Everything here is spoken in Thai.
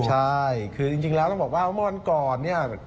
ใช่จริงเราต้องบอกว่าวันก่อนเนี่ย